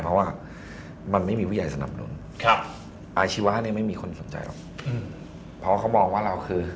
เพราะว่ามันไม่มีวิจัยสนับสนุนอาชีวะนี้ไม่มีคนสนใจหรอกเพราะเขามองว่าเราคือ